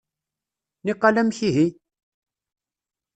Niqal amek ihi?